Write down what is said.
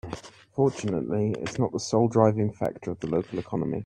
Fortunately its not the sole driving factor of the local economy.